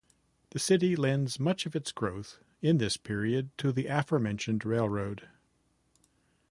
The city lends much of its growth in this period to the aforementioned railroad.